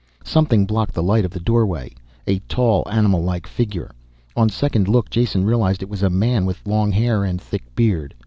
Something blocked the light of the doorway, a tall animallike figure. On second look Jason realized it was a man with long hair and thick beard.